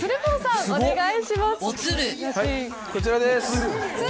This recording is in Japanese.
こちらです。